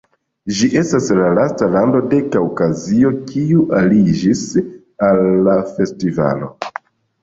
Ĝi estas la lasta lando de Kaŭkazio kiu aliĝis al la festivalo.